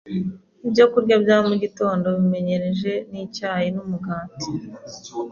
Ibyokurya bya mugitondo bimenyereje ni icyayi n’umugati